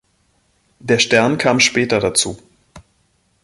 Der Stern kam später dazu.